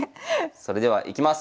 それではいきます！